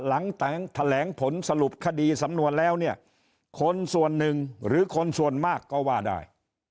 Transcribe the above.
แถลงผลสรุปคดีสำนวนแล้วเนี่ยคนส่วนหนึ่งหรือคนส่วนมากก็ว่าได้